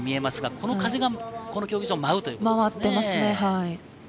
この風がこの競技場は舞うということですね。